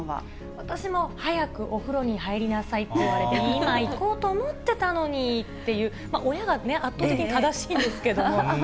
私も早くお風呂に入りなさいって言われて、今行こうと思ってたのにっていう、親がね、圧倒的に正しいんですけ